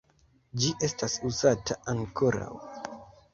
Ĝi estas uzata ankoraŭ.